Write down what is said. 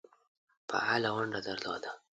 فعاله ونډه درلوده.